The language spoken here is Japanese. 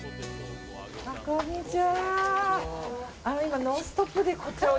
こんにちは。